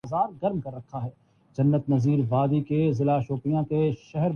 وہ تاریخ میں زندہ رہنا چاہتے ہیں یا اپنے عہد میں؟